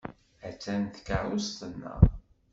Attan tkeṛṛust-nneɣ.